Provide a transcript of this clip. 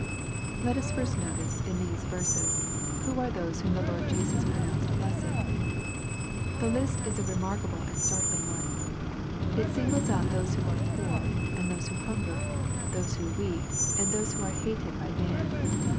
Let us first notice in these verses, who are those whom the Lord Jesua pronounced blessed. The list is a remark able and startling one. It singles out those who are "poor," and those who "hunger,'* — those who "weep," and those who are " hated" by man.